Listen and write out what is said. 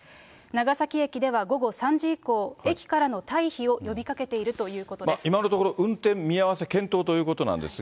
長崎駅では午後３時以降、駅からの退避を呼びかけているということです。